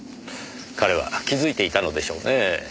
彼は気づいていたのでしょうねぇ。